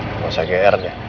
gak usah geert ya